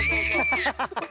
ハハハハ！